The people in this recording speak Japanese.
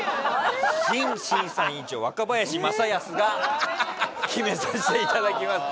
新審査員長若林正恭が決めさせていただきます